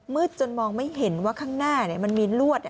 จนมองไม่เห็นว่าข้างหน้ามันมีลวด